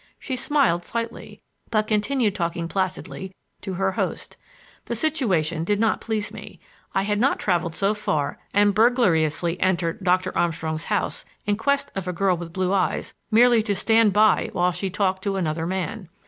She smiled slightly, but continued talking placidly to her host. The situation did not please me; I had not traveled so far and burglariously entered Doctor Armstrong's house in quest of a girl with blue eyes merely to stand by while she talked to another man.